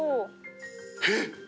えっ！